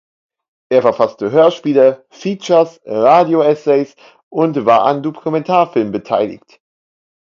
Er verfasste Hörspiele, Features, Radio-Essays und war an Dokumentarfilmen beteiligt.